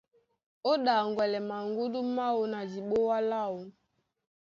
Ó ɗaŋgwɛlɛ maŋgúndú máō na diɓoa láō.